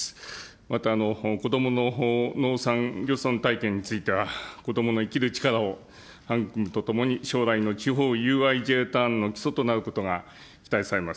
また、こどもの農山漁村体験については、こどもの生きる力を育むとともに、将来の地方ＵＩＪターンの基礎となることが期待されます。